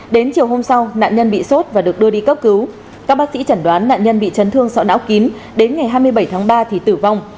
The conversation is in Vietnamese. đến chiều hôm sau nạn nhân bị sốt và được đưa đi cấp cứu các bác sĩ chẩn đoán nạn nhân bị chấn thương sọ não kín đến ngày hai mươi bảy tháng ba thì tử vong